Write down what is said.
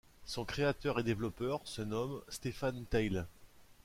Son créateur et développeur se nomme Stéphane Teil.